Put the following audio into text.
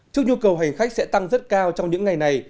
trước nhu cầu hành khách sẽ tăng rất cao trong những ngày này